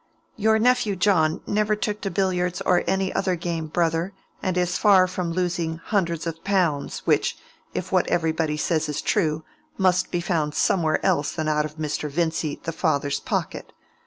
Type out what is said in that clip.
"Your nephew John never took to billiards or any other game, brother, and is far from losing hundreds of pounds, which, if what everybody says is true, must be found somewhere else than out of Mr. Vincy the father's pocket.